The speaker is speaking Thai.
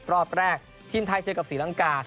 รอบแรกทีมไทยเจอกับศรีลังกา